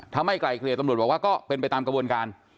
ถ้าไม่ไกลเกลี่ยตำรวจบอกว่าก็เป็นไปตามกระบวนการ